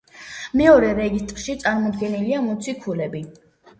მეორე რეგისტრში წარმოდგენილია მოციქულები.